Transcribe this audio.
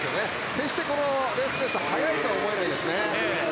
決して、レースのペースは速いとは思えないですね。